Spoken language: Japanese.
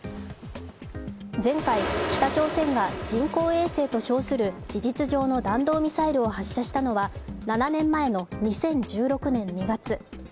前回、北朝鮮が人工衛星と称する事実上の弾道ミサイルを発射したのは７年前の２０１６年２月。